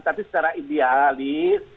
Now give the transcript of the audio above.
tapi secara idealis